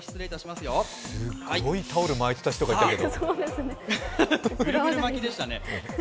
すごいタオル巻いてる人がいましたけど。